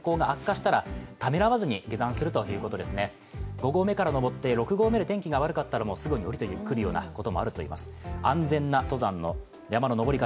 ５合目から登って６合目で天気が悪くなったらすぐ降りてくることもあるそうです。